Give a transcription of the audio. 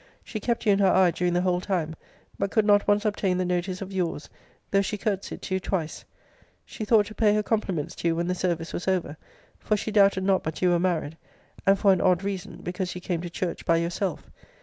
She kept you in her eye during the whole time; but could not once obtain the notice of your's, though she courtesied to you twice. She thought to pay her compliments to you when the service was over; for she doubted not but you were married and for an odd reason because you came to church by yourself.